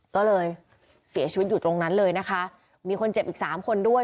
ก็เลยเสียชีวิตอยู่ตรงนั้นเลยนะคะมีคนเจ็บอีกสามคนด้วย